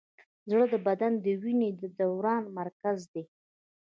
زړه د بدن د وینې د دوران مرکز دی.